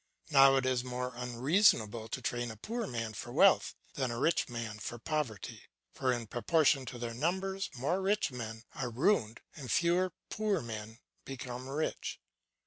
Now it is more unreasonable to train a poor man for wealth than a rich man for poverty, for in proportion to their numbers more rich men are ruined and fewer poor men become rich.